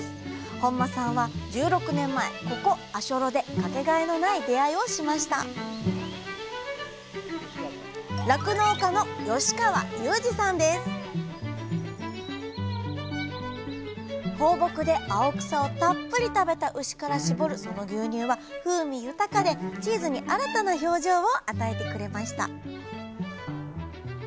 本間さんは１６年前ここ足寄で掛けがえのない出会いをしました放牧で青草をたっぷり食べた牛から搾るその牛乳は風味豊かでチーズに新たな表情を与えてくれました